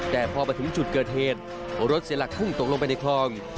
แต่พอมาถึงจุดเกิดเหตุรถเสียหลักพุ่งตกลงไปในคลอง